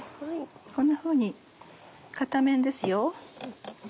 こんなふうに片面ですよ。